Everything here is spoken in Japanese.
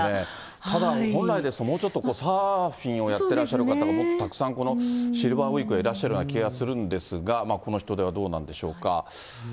ただ、本来ですと、もうちょっとサーフィンをやってらっしゃる方はもっとたくさん、このシルバーウイークいらっしゃるような気がするんですが、この人出はどうなんでしょうか。